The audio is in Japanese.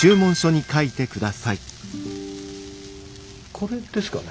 これですかね？